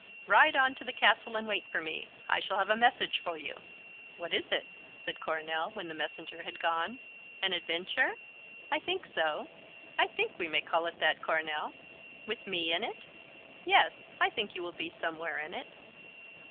"Ride on to the castle and wait for me. I shall have a message for you." "What is it?" said Coronel, when the messenger had gone. "An adventure?" "I think so. I think we may call it that, Coronel." "With me in it?" "Yes, I think you will be somewhere in it."